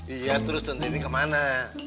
iya terus centini kemana